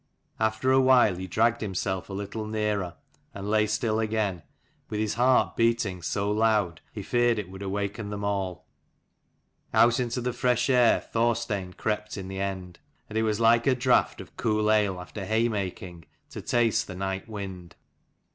After a while he dragged himself a little nearer : and lay still again, with his heart beating so loud, he feared it would awaken them all. Out into the fresh air Thorstein crept in the N 97 end : and it was like a draught of cool ale after haymaking to taste the night wind.